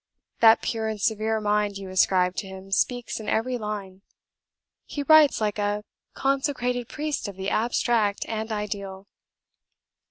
That pure and severe mind you ascribed to him speaks in every line. He writes like a consecrated Priest of the Abstract and Ideal.